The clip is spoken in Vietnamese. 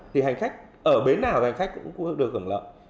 thì hành khách ở bến nào hành khách cũng thu hút được hưởng lợi